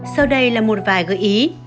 sau đây là một vài gợi ý